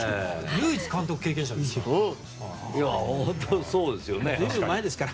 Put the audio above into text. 唯一監督経験者ですから。